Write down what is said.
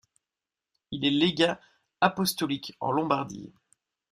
Il est légat apostolique en Lombardie.